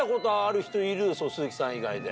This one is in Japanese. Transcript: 鈴木さん以外で。